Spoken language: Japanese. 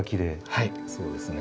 はいそうですね。